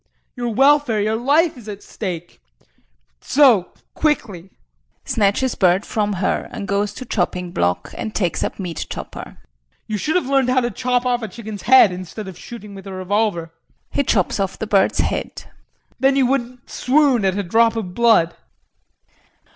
Your welfare, your life, is at stake. So quickly. [Snatches bird from her and goes to chopping block and takes up meat chopper]. You should have learned how to chop off a chicken's head instead of shooting with a revolver. [He chops off the bird's head]. Then you wouldn't swoon at a drop of blood.